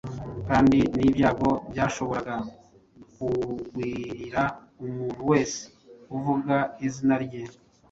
kandi n’ibyago byashoboraga kugwirira umuntu wese uvuga izina rye